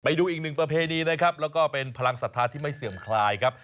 ไปดูอีกหนึ่งประเพณีนะครับแล้วก็เป็นพลังศรัทธาที่ไม่เสื่อมคลายครับ